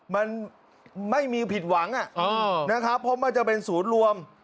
มันไม่มีผิดหวังนะครับเพราะมันจะเป็นศูนย์รวม